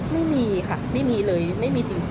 ไม่มีค่ะไม่มีเลยไม่มีจริง